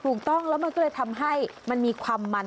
ถูกต้องแล้วมันก็เลยทำให้มันมีความมัน